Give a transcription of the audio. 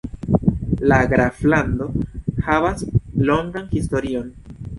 La graflando havas longan historion.